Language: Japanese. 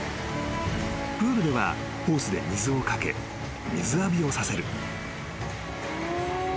［プールではホースで水を掛け水浴びをさせる］